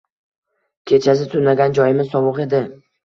Kechasi tunagan joyimiz sovuq edi.